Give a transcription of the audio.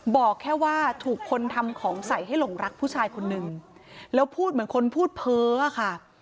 บอกแค่ว่าถูกคนทำของใส่ให้หลงรักผู้ชายคนนึงแล้วพูดเหมือนคนพูดเพ้อค่ะ